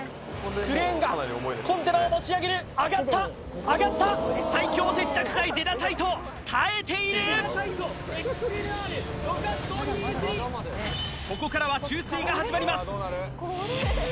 クレーンがコンテナを持ち上げる上がった上がった最強接着剤デナタイト耐えているここからは注水が始まります